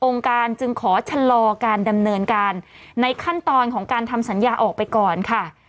การจึงขอชะลอการดำเนินการในขั้นตอนของการทำสัญญาออกไปก่อนค่ะ